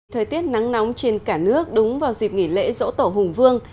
thời tiết nắng nóng trên cả nước đúng vào dịp nghỉ lễ dỗ tổ hùng vương